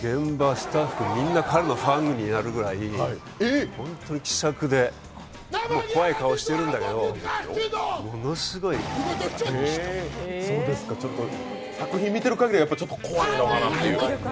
スタッフみんな彼のファンになるぐらい、本当に気さくで怖い顔してるんだけど作品見てるかぎりではちょっと怖いのかなっていう。